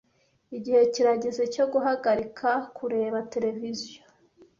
Igihe kirageze cyo guhagarika kureba televiziyo.